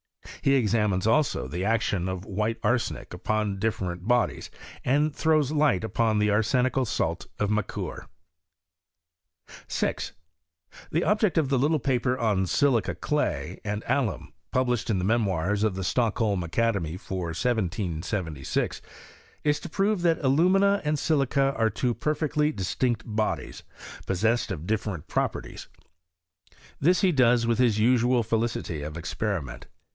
He examines, also, the action of white arsenic upon different bodies, and throws light ton the arsenical salt of Macquer. ]£, The object of the little paper on flilica, clay, F 2 r ccemistut! and alum, published in the Memoirs of the Stoclc bolm Academy, for 1776, is to prove that alumina and silica are two perfectly di.stitict bodies, possessed of different pToperties. Tliis he does with his usual felicity of experiment.